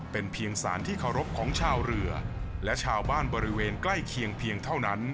เป็นเพียงสารที่เคารพของชาวเรือและชาวบ้านบริเวณใกล้เคียงเพียงเท่านั้น